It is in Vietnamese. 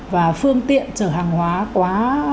và phương tiện chở hàng hóa quá